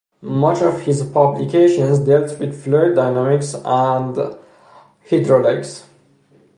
Much of his publications dealt with fluid dynamics and hydraulics.